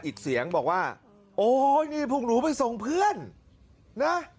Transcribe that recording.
อีกเสียงบอกว่าโอ๊ยนี่พวกหนูไปส่งเพื่อนนะ